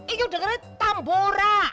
inyong dengerin tambura